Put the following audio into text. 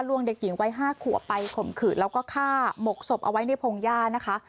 วงเด็กหญิงวัย๕ขัวไปข่มขืนแล้วก็ฆ่าหมกศพเอาไว้ในพงหญ้านะคะ